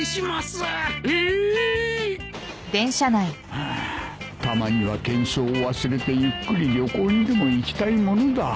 ハァたまにはけん騒を忘れてゆっくり旅行にでも行きたいものだ